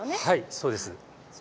そうです。